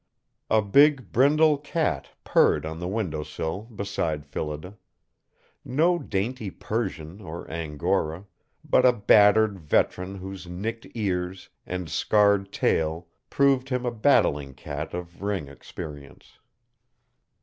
A big brindle cat purred on the window sill beside Phillida; no dainty Persian or Angora, but a battered veteran whose nicked ears and scarred tail proved him a battling cat of ring experience.